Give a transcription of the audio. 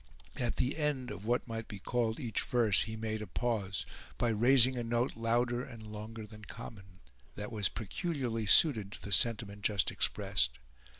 At the end of what might be called each verse he made a pause, by raising a note louder and longer than common, that was peculiarly suited to the sentiment just expressed.